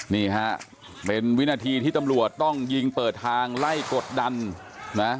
นี่ฮะเป็นวินาทีที่ตำรวจต้องยิงเปิดทางไล่กดดันนะ